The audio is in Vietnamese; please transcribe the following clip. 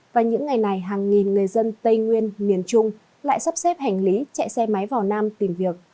và những ngày này hàng nghìn người dân tây nguyên miền trung lại sắp xếp hành lý chạy xe máy vào nam tìm việc